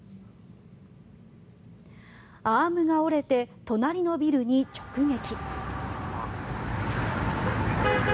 アームが折れて隣のビルに直撃。